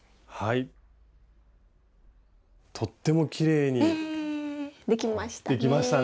とってもきれいにできましたね。